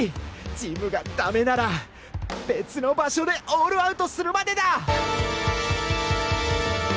ジムがダメなら別の場所でオールアウトするまでだ！